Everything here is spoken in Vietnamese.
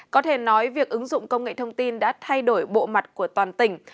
có thể nói việc ứng dụng công nghệ thông tin đã thay đổi bộ mặt của toàn tỉnh